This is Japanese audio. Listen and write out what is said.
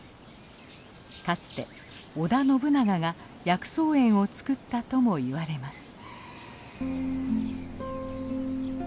かつて織田信長が薬草園を作ったともいわれます。